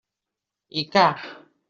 I ca!